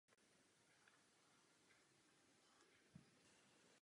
Ťuká si na čelo.